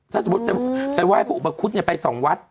ถ้าทดสมุดให้พระอุปคตไปส่องวัด